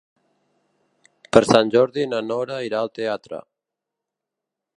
Per Sant Jordi na Nora irà al teatre.